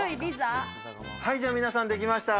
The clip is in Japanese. はい、じゃあ、みなさんできました。